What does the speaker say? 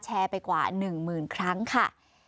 แชร์ไปกว่าหนึ่งหมื่นครั้งค่ะ